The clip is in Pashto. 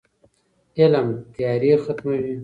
علم تیارې ختموي.